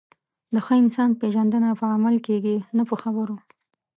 د ښه انسان پیژندنه په عمل کې کېږي، نه په خبرو.